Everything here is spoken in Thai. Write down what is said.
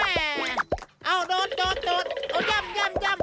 แม่โดดย่ำ